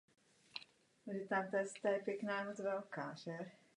V současnosti se v rozvinutých zemích prakticky neprovádí.